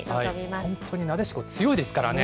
本当になでしこ、強いですからね。